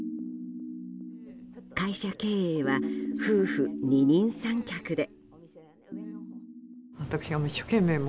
会社経営は夫婦二人三脚で。